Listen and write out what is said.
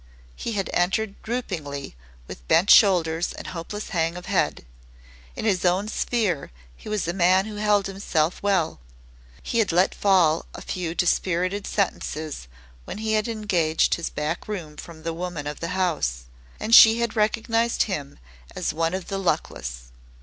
He had entered droopingly with bent shoulders and hopeless hang of head. In his own sphere he was a man who held himself well. He had let fall a few dispirited sentences when he had engaged his back room from the woman of the house, and she had recognized him as one of the luckless.